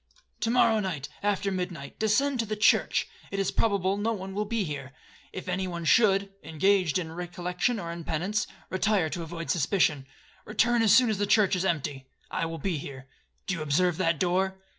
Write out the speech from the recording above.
To morrow night, after midnight, descend to the church, it is probable no one will then be here. If any one should, (engaged in recollection or in penance), retire to avoid suspicion. Return as soon as the church is empty,—I will be here. Do you observe that door?'